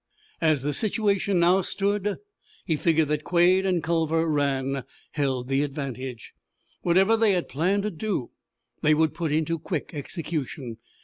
As the situation stood now, he figured that Quade and Culver Rann held the advantage. Whatever they had planned to do they would put into quick execution.